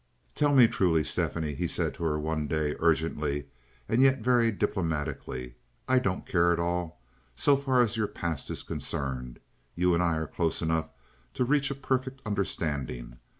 "Tell me truly, Stephanie," he said to her one day, urgently, and yet very diplomatically. "I don't care at all, so far as your past is concerned. You and I are close enough to reach a perfect understanding.